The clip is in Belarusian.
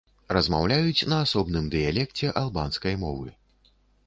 Размаўляюць на асобным дыялекце албанскай мовы.